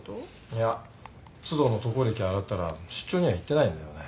いや須藤の渡航歴洗ったら出張には行ってないんだよね。